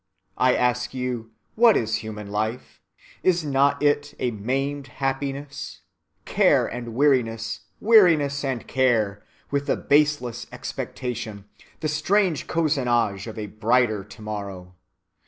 I ask you, what is human life? Is not it a maimed happiness—care and weariness, weariness and care, with the baseless expectation, the strange cozenage of a brighter to‐morrow?